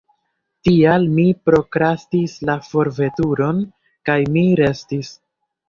Tial mi prokrastis la forveturon kaj mi restis.